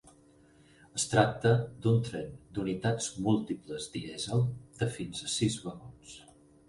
Es tracta d'un tren d'unitats múltiples dièsel de fins a sis vagons.